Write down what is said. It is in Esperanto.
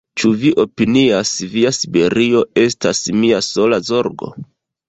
Ĉu vi opinias, via Siberio estas mia sola zorgo?